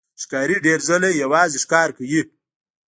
ښکاري ډېر ځله یوازې ښکار کوي.